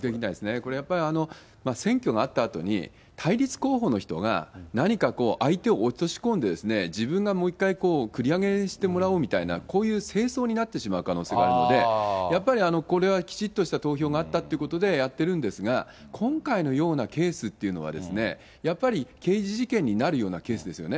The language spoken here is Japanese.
これ、やっぱり選挙があったあとに、対立候補の人が、何かこう、相手を落とし込んで、自分がもう一回繰り上げしてもらおうというような、こういう政争になってしまう可能性があるので、やっぱりこれはきちっとした投票があったということでやってるんですが、今回のようなケースっていうのは、やっぱり刑事事件になるようなケースですよね。